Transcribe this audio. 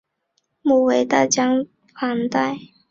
母为大江磐代。